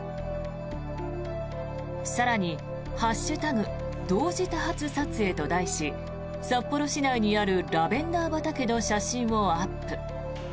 更に、「＃同時多発撮影」と題し札幌市内にあるラベンダー畑の写真をアップ。